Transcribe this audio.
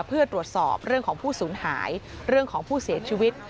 เพื่อตรวจสอบเรื่องของผู้สูญหายเรื่องของผู้เสียชีวิต